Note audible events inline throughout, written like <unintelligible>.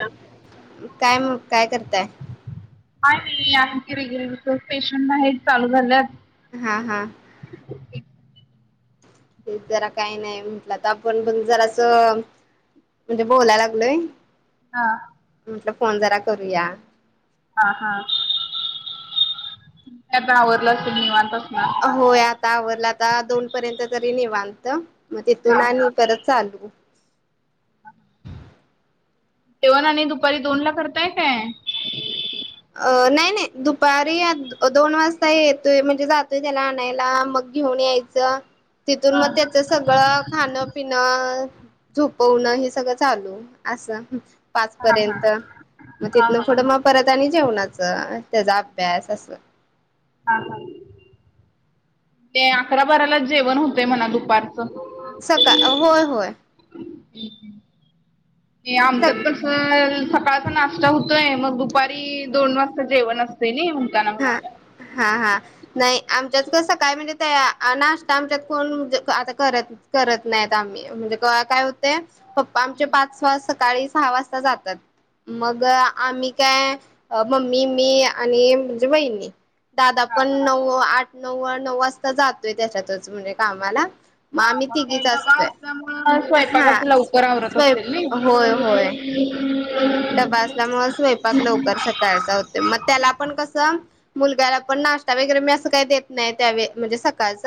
ह काय म काय करताय आहे नाही आणखी रेग्युलर प्टेशनट आहे चालू झालेत हा हा ते जरा काही नाही म्हटलं तर आपण पण जरा असं म्हणजे बोलाय लागलोय हा म्हटलं फोन जरा करूया हा हाता आवरवरलं असे निीवांतस ना होय आता आवरडला आता दोन पर्यंत तरी निेवत मग तिथून हा हा आणि परत चालू तेवन आणि दुपारी दोन ला करताय काय अ नाही नाही दुपारी दोन वाजता येतोय म्हणजे जातोय त्याला आणायला मग घेऊन यायचं तिथून मग हां त्याच सगळं खाणं पिण झोपवणं हे सगळं चालू असं पाच हां हां पर्यंत मग हां तिथनं हां पुढं मग परत आणि जेवणाचं त्याचा अभ्यास अस हा ह ते अकरा बारलाच जेवण होतंय म्हणा दुपारचं सकाळ होय होय आमच सका तस सकाळचा नाश्ता होत आहे मग दुपारी दोन वाजता जेवण असते ना म्हणताना हा म्हण हा हा नाही आमच्यात का सकाळी म्हणजे त्याया नाश्ता आमच्यात कोण आता कररत करत नाहीत आम्ही म्हणजे काय होते प् आमचे पाच वाज सकाळी सहा वाज मग आम्ही काय मम्मी मी आणि र महिनी दादा हां पण नव आठ नवव नऊ वाजता जातोय त्याच्यातच म्हणजे कामाला हा आम्ही मग तिघीच असतोय असल्या म हा स्वयंपाकाच लवकर आवरत स्वयं असेल ना होय होय हम् डबा असल्यामुळे स्वयंपाक लवकर सकाळचा होत मग त्याला पण कसं मुलग्याला पण नाश्ता वगैरे मी असं काही देत नाही त्यावे म्हणजे सकाळच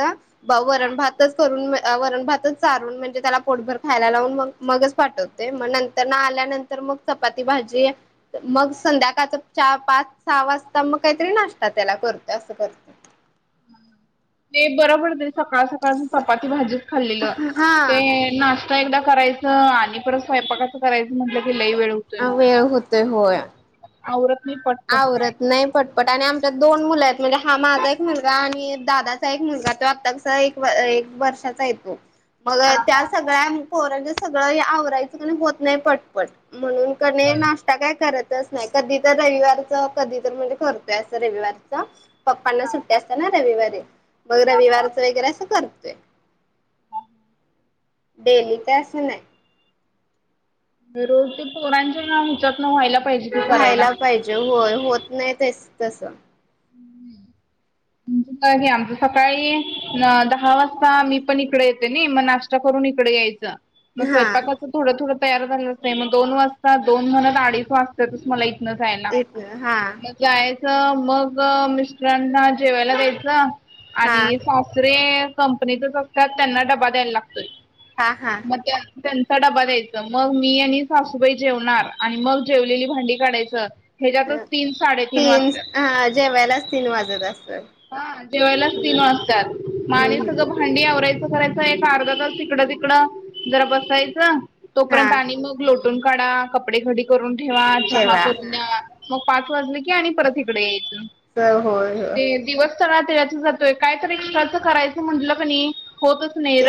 वरण भातच करून वरण भातच चारून म्हणजे त्याला पोटभर खायला लावून म मगच पाठत मग नंतर ना आल्यानंतर मग चपाती भाजी मग संध्याकाळच चार पाच सहा वाजता मग काहीतरी नाश्ता त्याला करत असं करत ते बरं पडत सकाळ सकाळ चपाती भाजीच खाल्लेलं ते नाशत एकदा करायचं आणि परत स्वयंपाकाचं करायचं म्हटलं की लई वेळ अ वेळ होतय होय औतनी पट आवरत नाही पड पट आणि आम दोन मुलं आहेत म्हणजे हा माझा एक मुलगा आणि दादाचा एक मुलगा तो आत्ताच एक एक वर्षाचा येतो मग हा त्या हा सगळ्या पोराच सगळं आवरायचं क होत नाही पटपट म्हणून नाश्ता काय करतच नाही कधी तर रविवार कधीण र प्ना हा अस रविवारी मग हा हा रविवारच वगैरे असं करतोय डेली ते अससं ना रोज ते पोरांचे नाव विचत ना व्हायला पाहिजे ते करायला. व्हायला पाहिजे हो होत नाही तेच तसं म्हणजे <inaudible> हे आमचं सकाळी दहा वाजता मी पण इकडे येते नाही मग नाश्ता करून इकडे यायचं मग हा स्वयपाकाचं थोडं थोडं तयार झालंच नाही मग दोन वाजता दोन म्हणत अडीच वाजता मला न जायला इथन हा मग जायचं मग मिस्टरांना जेवायला द्यायचं हा आणि सॉफरे कंपनीतच असतात त्यांना डबा द्यायला लागतोय हा हा मग त्यांचा डबा द्यायचं मग मी आणि सासूबाई जेवणार आणि मग जेवलेली भांडी काढायचं अ ह्याच्यातच तीन साडेतीन तीन वाजतात हा जेवायलाच तीन वाजत असत हा जेवायलाच तीन वाजतात मा आणि हम्म हम्म सगळं थंडी आवायचं करायचं एक अर्धा तास तिकडं तिकडं जरा बसायचं हा तोपर्यंत आणि मग लोटून काढा कपडे घडी करून ठेवा चहा करून द्या मग पाच वाजले की आणि परत इकडे यायचं तर होय होय दिवसस्थनाात येयच जातोय काय तर एक्स्ट्राचं करायचं म्हटलं का नाही होत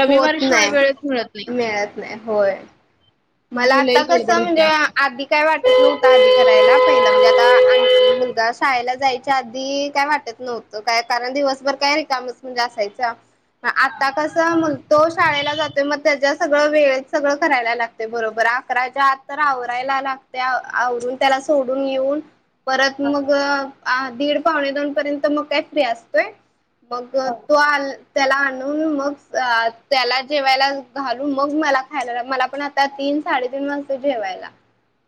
होत नाही मिळत नाही होय मला त्यामुळे आता लई गडबड कसं म्हणजे होत्या. आधी काय वाटत मग नव्हतं आधी करायला पहिलं म्हणजे आता मुलगा शाळेला जायच्या आधी काय वाटत नव्हतं काय कारण दिवसभर काय रिकाम च वेळ असायचा आता कसं तो मग शाळेला जातोय मग त्याच्या सगळं वेळेत सगळं करायला लागत ते बरोबर अकराच्या आत तर आवरायला लागते आवरून त्याला सोडून येऊन परत मग, दीड पावणे दोन पर्यंत मग काय फ्री असतोय मग तो आल त्याला आणून मग त्याला जेवायला घालून मग मला खायला मला पण ता, तीन साडे तीन वाज जेवायला,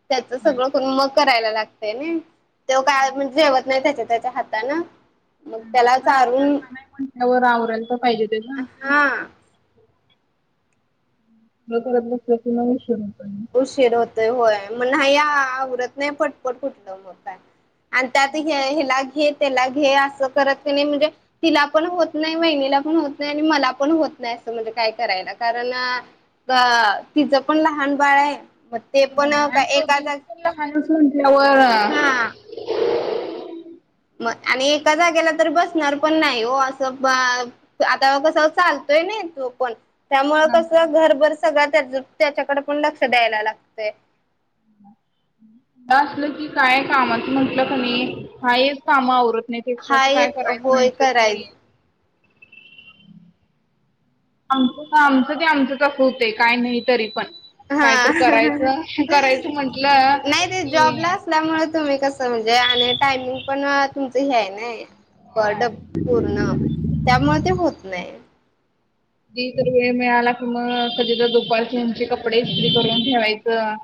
त्याच सगळं करून मग करायला घातलंय नी त्यो काय जेवत नाही त्याच्या त्याच्या हातान नाही पण लहान म्हटल्यावर आवरायला तर पाहिजे तेच हा <unintelligible> उशीर होतोय होय म नाही आवरत नाही पटपट कुटलं मग काय आणि त्यात हे ह्याला घे त्याला घे असं करत क नी म्हणजे तिला पण होत नाही वहिणीला पण होत नाही आणि मला पण होत नाही असं म्हणजे काय करायला कारण अ तिचं पण लहान बाळ आहे मग ते पण होय का आणि एका जा दोघींची पण लहानच हा म्हटल्यावर मग आणि एका जागेला तर बसणार पण नाही हो असं बा आता कस चालतोय नई तो पण त्यामु कसं घरभर सगळं त्याच त्याच्याकडे पण लक्ष द्यायला लागतंय असलं की काय कामाचं म्हंटलं कनी हाय हेच काम आवरत नाहीत हा एक्स्ट्राचं काय येत करायचं होय म्हटलं की करायच आमच का आमचं ते आमचंच असं होतंय नाही तरी पण हा कायतंर करायचं करायचं म्हटलं की त्यामुळे तुम्ही कसं म्हणजे आणि टायमिंग पण तुमचं हे आहे नाही बड पूर्ण त्यामुळे ते होत नाही कधी तर वेळ मिळाला कि मग कधी तर दुपारची हेंची कपडे इस्त्री करून ठेवायचं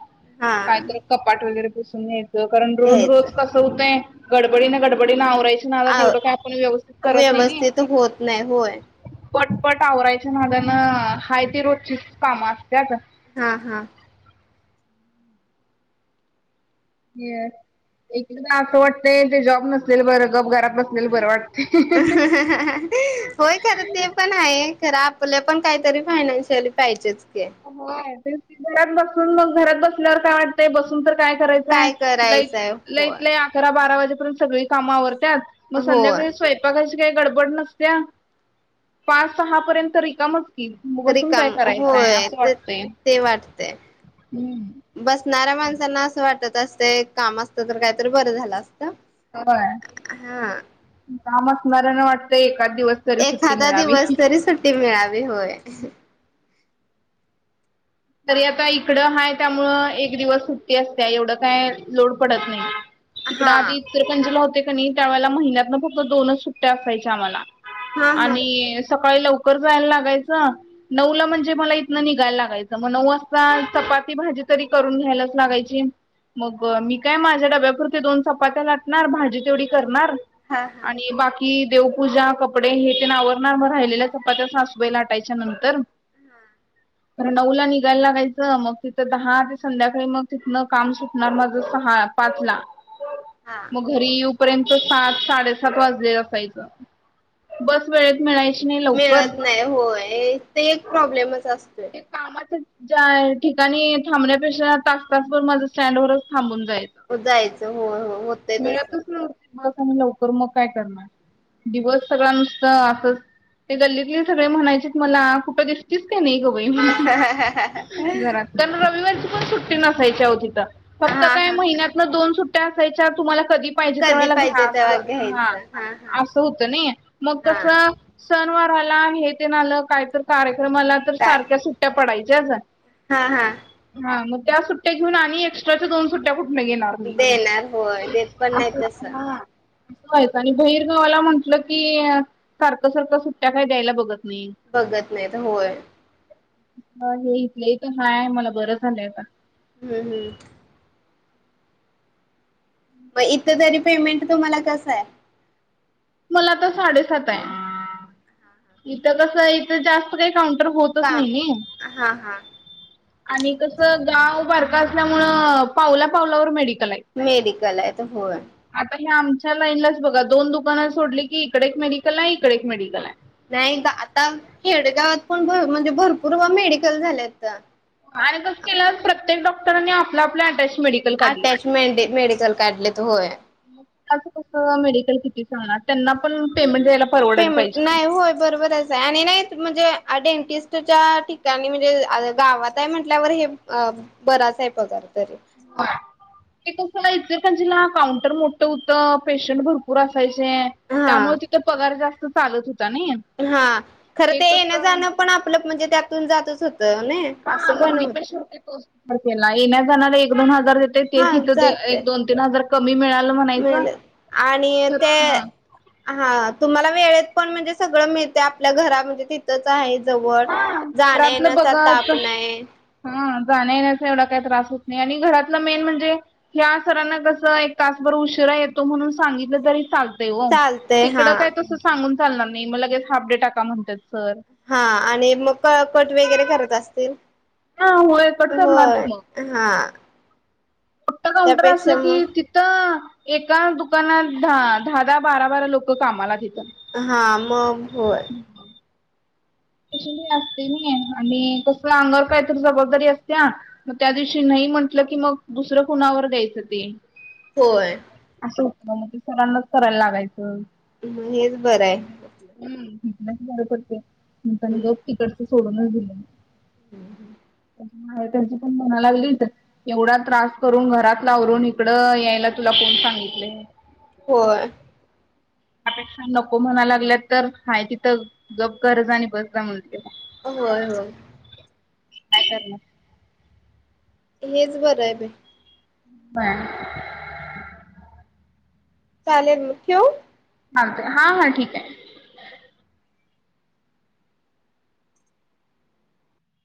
हा काय तर कपाट वगैरे पुसून घ्यायचं कारण रोज घ्यायचं रोज कस हुतंय गडबडीनं गडबडीनं आवरायचं नादात आ तेवढ काय आपण व्यवस्थित करत नाही व्यवस्थित होत होय नाही पटपट आवरायच्या नादानं हाय ती रोजचीच कामं असत्यात हा हा एकेकदा असं वाटतय ते जॉब नसलेल बरं गप घरात बस ह ह होय काय आता ते पण आहे खरं आपलं पण काहीतरी फायनान्शियल पाहिजेच की होय तेच कि घरात बसून मग घरात बसल्यावर काय वाटतय बसून तर काय करायचं काय लई करायचंय तं होय लई अकरा बारा वाजेपर्यंत सगळी कामं आवरत्यात मग होय संध्याकाळी स्वपा काची काय काय गडबड नसत्या पाच सहा पर्यंत रिकामच कि बसून रिकाम काय करायचंय होय असं ते वाटतय ते वाटतंय हम् की बसणाऱ्या माणसांना असं वाटत असतय काम असतं तर कायतर बरं झालं असत होय काम असणाऱ्यांना वाटतंय एखादं दिवस तरी सुट्टी एखादा मिळावी दिवस तरी सुट्टी मिळावी होय तरी आता इकडं हाय त्यामुळं एक दिवस सुट्टी असत्या एवढं काय लोड पडत नाही तिकडं हा आधी इचलकरंजी ला होते कणी त्या वेळेला महिन्यातनं फक्त दोनच सुट्ट्या असायचा आम्हाला हा हा आणि सकाळी लवकर जायला लागायच नऊ ला म्हणजे मला इथनं निघायला लागायचं मग नऊ असता चपाती भाजी तरी करून घ्यायलाच लागायची मग मी काय माझ्या डब्यापुरत्या दोन चपात्या लाटणार भाजी तेवढी करणार हा हा आणि बाकी च कि देवपूजा कपडे हे तेन आवरणार मग राहिलेल्या चपात्या सासबाई लाटायच्या नंतर हा नऊ ला निघायला लागायचं मग तिथं दहा ते संध्याकाळी मग तिथनं काम सुटणार माझं सहा पाच ला <inaudible> मग घरी यूपर्यंत सात साडेसात वाजले असायचं बस वेळेत मिळायची नाही. लवकर मिळत नाही होय, ते एक प्रॉब्लेमच असतोय. ते कामाच्या ज्या ठिकाणी थांबण्यापेक्षा तास तासभर माझं स्टँडवरच थांबून जाईल. जायचं होय, होय होतय तसं. नव्हती बस आली लवकर मग काय करणार, दिवस सगळा नुसता असंच ते गल्लीतले सगळे म्हणायचीत मला कुठं दिसतीस काय नाही ग बाई म्हण हा घरात. कारण रविवारीची पण सुट्टी नसायची अहो तिथं. फक्त काय हा महिन्यात दोन सुट्ट्या असायच्या. तुम्हाला कधी पाहिजे कधी त्यावेळेला पाहिजे घ्या तेव्हा असं हा घ्यायचं हा असं होतं नाही, मग हा कसं सणवार आला आणि हे तेन आलं कायतर कार्यक्रम आला तर काय सारख्या सुट्ट्या पडायच्याच. हा, हा. हा मग त्या सुट्ट्या घेऊन आणि एक्स्ट्राच्या दोन सुट्ट्या कुठनं घेणार? देणार होय देत पण <inaudible> नाही असं तस व्हायचं आणि बहिरगावाला म्हंटलं की, सारखं सारखं सुट्ट्या काय द्यायला बघत नाही. बघत नाहीत होय. ह हे इथल्या इथं हाय आहे मला बरं झालंय आता. हम्म, हम्म. मग इथं तरी पेमेंट तुम्हाला कसं आहे? मला आता साडेसात आहे. इथं कसं आहे इथं जास्त काही काउंटर होत तच का नाही. हा हा आणि कसं गाव बारक असल्यामुळं पावला पावलावर मेडिकल आहेत. मेडिकल आहेत होय. आता हे आमच्या लाईनलाच बघा दोन दुकानं सोडली की, इकडं एक मेडिकल आहे, इकडं एक मेडिकल आहे. नाही आता खेडगावात पण म्हणजे भरपूर ओ मेडिकल झाल्याता. आणि कसं केल्यात प्रत्येक डॉक्टरांनी आपला आपला अटॅच मेडि अटॅच मेडि-मेडिकल काढल्यात होय. असं कस मेडिकल किती चालणार त्यांना पण पेमेंट द्यायला परवडायला पेमेंट पाहिजे की. नाही होय बरोबर आहे. आणि नाही म्हणजे डेंटिस्टच्या ठिकाणी म्हणजे आ गावात आहे म्हंटल्यावर हे अ बराच आहे पगार तरी. होय. ते कसं इचलकरंजीला काउंटर मोठं होतं. पेशंट भर पूर असायचे हा त्यामुळे तिथं पगार जास्त चालत होता नई. हा खरं ते येणं जाणं पण आपलं म्हणजे त्यातून जातच होतं नई. हा मी पण शेवटी तोच विचार केला. येण्या जाणारला एक दोन हजार देते, तेच हा इथं जाते एक दोन तीन हजार कमी मिळाल म्हणायचं. मिळाले आणि खर ते हा तुम्हाला वेळेत पण म्हणजे सगळं मिळते आपल्या घरा म्हणजे ते इथंच आहे जवळ, हा जाण्या घरातलं येण्याचा ताप बघत नाही. हा जाण्या येण्याचा एवढा काही त्रास होत नाही. आणि घरातलं मेन म्हणजे ह्या सरांना कस एक तासभर उशिरा येतो म्हणून सांगितलं तरी चाल तय ओ. चालतय हा. तिकडं काय तसं सांगून चालणार नाही, मग लगेच हाफ डे टाका म्हणत्यात सर. हा आणि मग क-कट वगैरे करत असतील. हा होय कट करणार होय. की मग. हा. मोठं काउंटर असलं त्यापेक्षा की मग ति थं एका दुकानात दहा दहा दहा बारा बारा लोक कामाला तिथं. हा मग होय. हं. तशी मी असते नाही आणि कसं अंगावर काहीतरी जबाबदारी असत्या. मग त्या दिवशी नाही म्हंटलं, की मग दुसरं कुणावर द्यायचं ते. होय. असं होतं मग ते सरांनाच करायला लागायचं. मग हेच बरं आहे. हम्म हितनच बर पडतय <unintelligible> तिकडच सोडूनच दिल मी. माहेर त्यांची पण मना लागली. <unintelligible> एवढा त्रास करून घरातल आवरून इकडं यायला तुला कोण सांगितलय. होय. त्यापेक्षा नको म्हणा लागल्यात तर हाय तिथं गप कर जा आणि बस जा म्हणते. होय होय. काय करणार. हेच बरं आहे बाई. हा. चालेल म ठेऊ? चालतंय हा हा ठीक आहे.